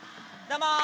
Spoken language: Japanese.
どうも！